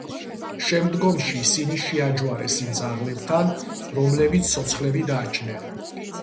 შემდგომში ისინი შეაჯვარეს იმ ძაღლებთან, რომლებიც ცოცხლები დარჩნენ.